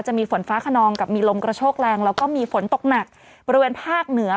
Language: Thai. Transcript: ฝนฟ้าขนองกับมีลมกระโชกแรงแล้วก็มีฝนตกหนักบริเวณภาคเหนือ